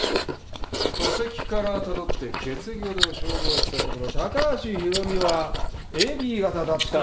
戸籍からたどって血液型を照合したところ高橋博美はＡＢ型だった。